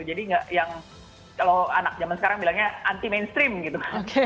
jadi yang kalau anak jaman sekarang bilangnya anti mainstream gitu